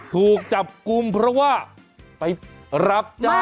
ถูกจับกลุ่มเพราะว่าไปรับจ้าง